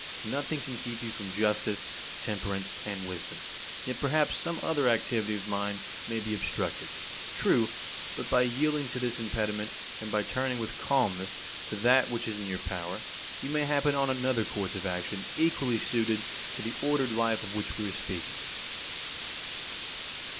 Nothing can keep you from justice, temperance, and wisdom. Yet, perhaps some other activity of mine may be obstructed. True, but by yielding to this impediment, and by turning with calmness to that which is in your power, you may happen on another course of action equally suited to the ordered life of which we are speaking.